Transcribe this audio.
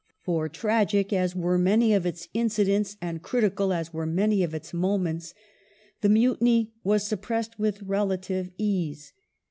For, tragic as were many of its incidents, and critical as were many of its mo ments, the Mutiny was suppressed with relative ease.